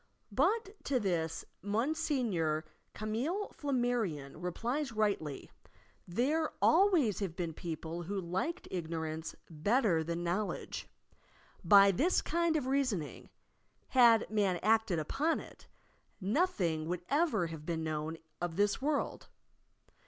But to this Monsieur Camillc Flammarion replies rightly; "There always have been people who liked ignorance better than knowledge. By this kind of reasoning (had man acted upon it) nothing would ever have been known of this world.